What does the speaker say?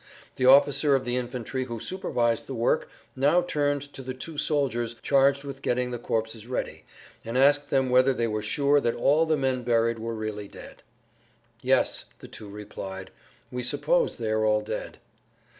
The officer of the infantry who supervised the work now turned to the two soldiers charged with getting the corpses ready and asked them whether they were sure that all the men buried were really dead. "Yes," the[Pg 60] two replied, "we suppose they are all dead."